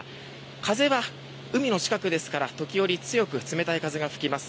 風は海の近くですから時折、強く冷たい風が吹きます。